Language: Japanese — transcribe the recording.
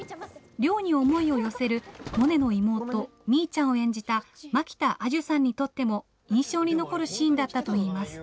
亮に思いを寄せるモネの妹みーちゃんを演じた蒔田彩珠さんにとっても印象に残るシーンだったといいます。